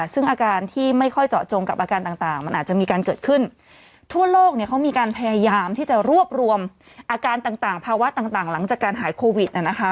ซึ่งอาการที่ไม่ค่อยเจาะจงกับอาการต่างมันอาจจะมีการเกิดขึ้นทั่วโลกเขามีการพยายามที่จะรวบรวมอาการต่างภาวะต่างหลังจากการหายโควิด